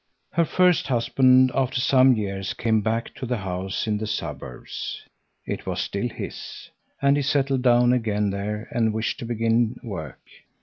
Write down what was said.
Her first husband, after some years, came back to the house in the suburbs. It was still his, and he settled down again there and wished to begin work.